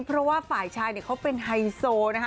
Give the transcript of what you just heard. เพราะว่าฝ่ายชายเนี่ยเขาเป็นไฮโซนะคะ